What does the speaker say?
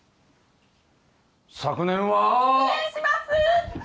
昨年は失礼します！